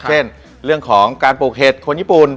เช่นเรื่องของการปลูกเห็ดคนญี่ปุ่น